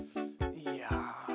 いや。